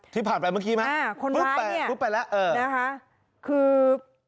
ที่ผ่านไปเมื่อกี้มั้ยปุ๊บไปแล้วคือคนร้ายเนี่ยคือ